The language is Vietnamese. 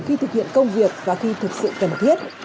khi thực hiện công việc và khi thực sự cần thiết